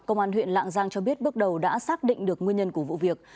công an huyện lạng giang cho biết bước đầu đã xác định được nguyên nhân của vụ việc